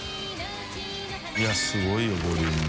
いすごいよボリューム。